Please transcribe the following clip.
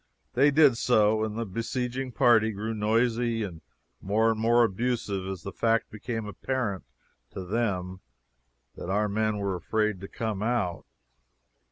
They did so, and the besieging party grew noisy and more and more abusive as the fact became apparent (to them) that our men were afraid to come out.